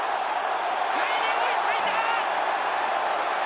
ついに追いついた！